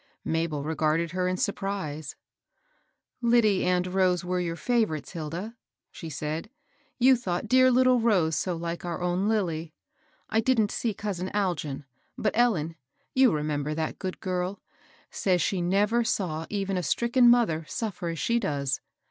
Mabel regarded her m surprise. Lyddie and Rose were your &vorites, Hilda," she said ;^^ you thought dear little Rose so like our own Lilly. I didn't see cousin Algin; but Ellen — you remember that good girl — says she never saw even a stricken mother suffer as she does.